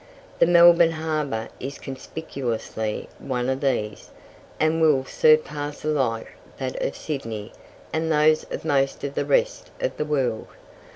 The Melbourne Harbour is conspicuously one of these, and will surpass alike that of Sydney and those of most of the rest of the world.